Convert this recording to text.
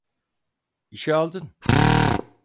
İşi aldın.